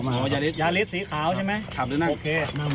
ยาฤทธิ์สีขาวใช่ไหม